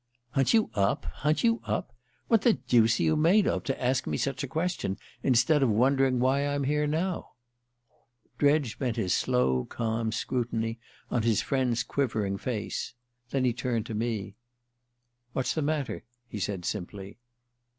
"Hunt you up? Hunt you up? What the deuce are you made of, to ask me such a question instead of wondering why I'm here now?" Dredge bent his slow calm scrutiny on his friend's quivering face; then he turned to me. "What's the matter?" he said simply.